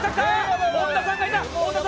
本田さんがいた！